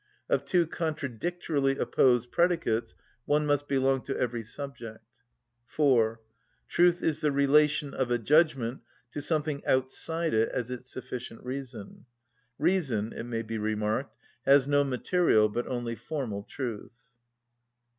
Of two contradictorily opposed predicates one must belong to every subject. (4.) Truth is the relation of a judgment to something outside it as its sufficient reason. Reason, it may be remarked, has no material but only formal truth.